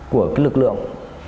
của cái lực lượng